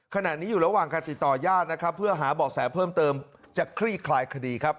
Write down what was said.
ขณะนี้อยู่ระหว่างการติดต่อญาตินะครับเพื่อหาเบาะแสเพิ่มเติมจะคลี่คลายคดีครับ